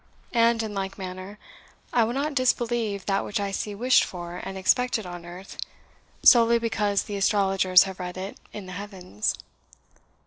And in like manner, I will not disbelieve that which I see wished for and expected on earth, solely because the astrologers have read it in the heavens."